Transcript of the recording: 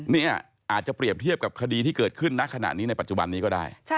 เนี่ยอาจจะเปรียบเทียบกับคดีที่เกิดขึ้นณขณะนี้ในปัจจุบันนี้ก็ได้